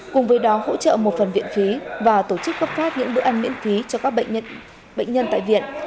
cùng với đó hỗ trợ một phần viện phí và tổ chức cấp phát những bữa ăn miễn phí cho các bệnh nhân tại viện